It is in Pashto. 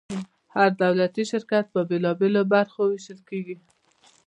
هر دولتي شرکت په بیلو بیلو برخو ویشل کیږي.